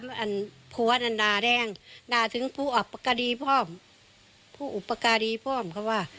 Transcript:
ผัวนั่นด่าแรงด่าถึงผู้อับประกาศดีพร่อมผู้อุปการีพร่อมเขาว่า